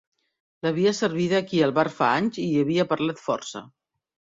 L'havia servida aquí al bar fa anys i hi havia parlat força.